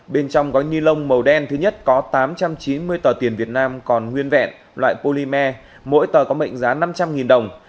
bên trong gói ni lông màu đen thứ nhất có tám trăm chín mươi tờ tiền việt nam còn nguyên vẹn loại polymer mỗi tờ có mệnh giá năm trăm linh đồng